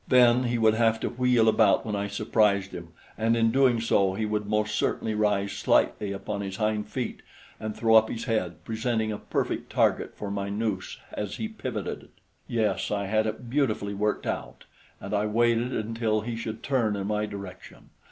Then he would have to wheel about when I surprised him, and in doing so, he would most certainly rise slightly upon his hind feet and throw up his head, presenting a perfect target for my noose as he pivoted. Yes, I had it beautifully worked out, and I waited until he should turn in my direction.